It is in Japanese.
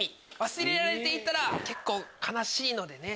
忘れられていたら結構悲しいのでね。